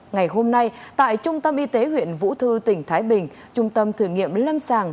ngày hôm nay tại trung tâm y tế huyện vũ thư tỉnh thái bình trung tâm thử nghiệm lâm sàng